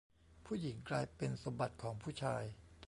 ผู้หญิงกลายเป็นสมบัติของผู้ชาย